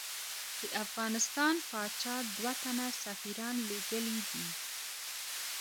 د افغانستان پاچا دوه تنه سفیران لېږلی دي.